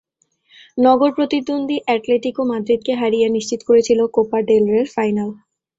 নগর প্রতিদ্বন্দ্বী অ্যাটলেটিকো মাদ্রিদকে হারিয়ে নিশ্চিত করেছিল কোপা ডেল রের ফাইনাল।